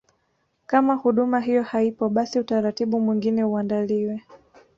Kama huduma hiyo haipo basi utaratibu mwingine uandaliwe